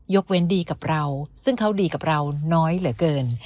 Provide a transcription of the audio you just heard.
เว้นดีกับเราซึ่งเขาดีกับเราน้อยเหลือเกิน